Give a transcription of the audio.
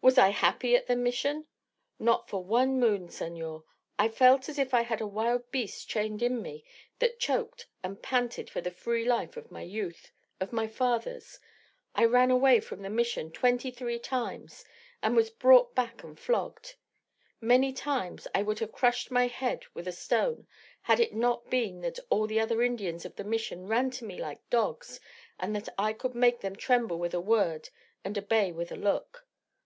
Was I happy at the Mission? Not for one moon, senor. I felt as if I had a wild beast chained in me that choked and panted for the free life of my youth, of my fathers. I ran away from the Mission twenty three times and was brought back and flogged. Many times I would have crushed my head with a stone had it not been that all the other Indians of the Mission ran to me like dogs, and that I could make them tremble with a word and obey with a look.